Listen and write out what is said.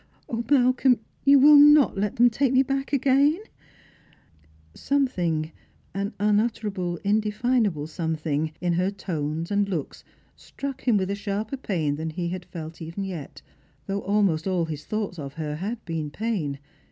Malcolm, you will not let them take me back again p" Something— an unutterable indefinable something — in her tones and looks struck him with a sharper j^ain than he had felt even yet ; though almost all his thoughts of her had been pain.